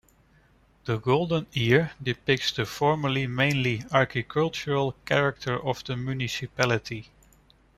The golden ear depicts the formerly mainly agricultural character of the municipality.